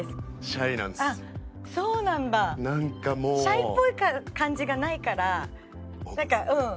シャイっぽい感じがないからなんかうん。